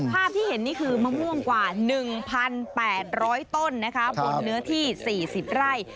ภาพที่เห็นนี่คือมะม่วงกว่า๑๘๐๐ต้นนะคะบนเนื้อที่๔๐ไร่